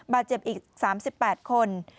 บาดเจ็บอีก๓๘คน